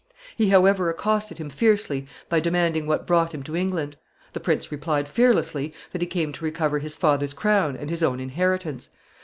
He, however, accosted him fiercely by demanding what brought him to England. The prince replied fearlessly that he came to recover his father's crown and his own inheritance.